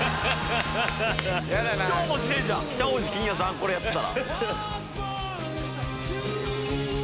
これやってたら。